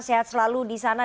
sehat selalu di sana